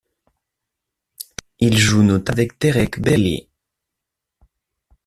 Il joue notamment avec Derek Bailey.